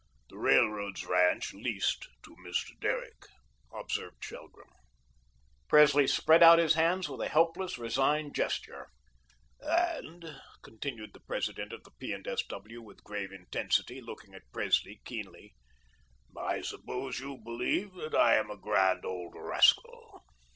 "The Railroad's ranch LEASED to Mr. Derrick," observed Shelgrim. Presley spread out his hands with a helpless, resigned gesture. "And," continued the President of the P. and S. W. with grave intensity, looking at Presley keenly, "I suppose you believe I am a grand old rascal."